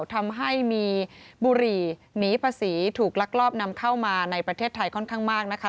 ทำให้มีบุหรี่หนีภาษีถูกลักลอบนำเข้ามาในประเทศไทยค่อนข้างมากนะคะ